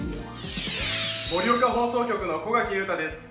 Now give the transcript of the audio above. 盛岡放送局の小掛雄太です。